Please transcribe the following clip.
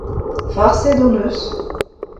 Farset hon eus !